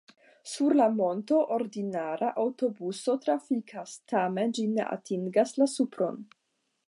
Sur la monto ordinara aŭtobuso trafikas, tamen ĝi ne atingas la supron.